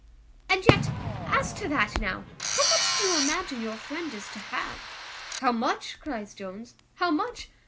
"And yet, as to that now, how much do you imagine your friend is to have?" "How much?" cries Jones, "how much?